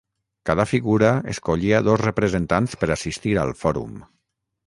Cada figura escollia dos representants per assistir al fòrum.